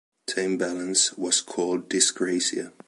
The imbalance was called "dyscrasia".